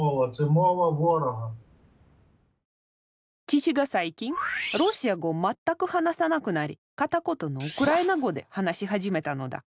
父が最近ロシア語を全く話さなくなり片言のウクライナ語で話し始めたのだ。